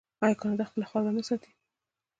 آیا کاناډا خپله خاوره نه ساتي؟